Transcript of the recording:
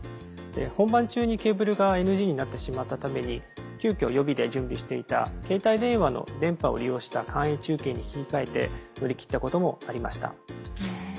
本番中にケーブルがＮＧになってしまったために急きょ予備で準備していたケータイ電話の電波を利用した簡易中継に切り替えて乗り切ったこともありました。